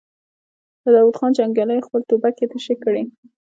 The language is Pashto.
د داوود خان جنګياليو خپلې ټوپکې تشې کړې.